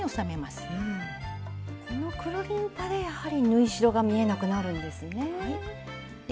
このくるりんぱでやはり縫い代が見えなくなるんですね。